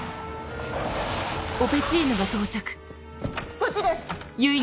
こっちです！